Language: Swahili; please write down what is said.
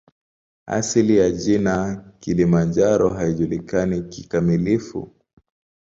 Asili ya jina "Kilimanjaro" haijulikani kikamilifu.